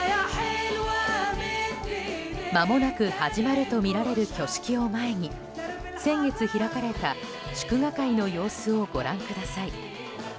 まもなく始まるとみられる挙式を前に先月開かれた祝賀会の様子をご覧ください。